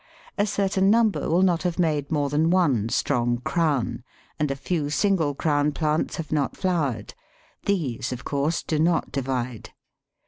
A certain number will not have made more than one strong crown, and a few single crown plants have not flowered; these, of course, do not divide.